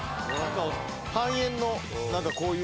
半円のなんかこういう。